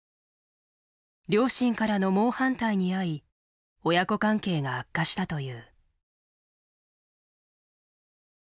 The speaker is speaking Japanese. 両親からの猛反対に遭い親子関係が悪化したという。